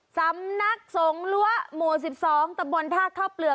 จำนักสงระหมูสิบสองตระบนภาคข้อเปลือก